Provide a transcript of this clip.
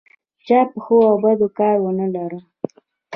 چا په ښو او بدو کار ونه لري.